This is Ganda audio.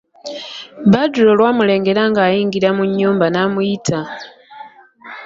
Badru olwamulengera ng'ayingira mu nnyumba n'amuyita.